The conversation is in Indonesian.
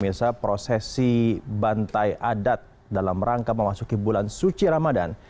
misa prosesi bantai adat dalam rangka memasuki bulan suci ramadan